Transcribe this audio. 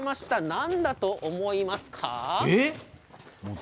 何だと思いますか？